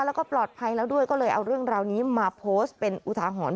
แล้วก็ปลอดภัยแล้วด้วยก็เลยเอาเรื่องราวนี้มาโพสต์เป็นอุทาหรณ์